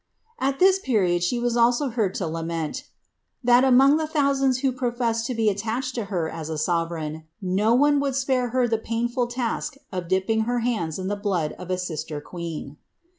' At this period she was also heard to at, * that among the thousands who professed to be attached to her lovereign, not one would spare her the painful task of dipping her I in the blood of a sister queen."